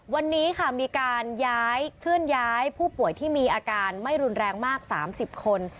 วันนี้ค่ะมีการย้ายเคลื่อนย้ายผู้ป่วยที่มีอาการไม่รุนแรงมาก๓๐คน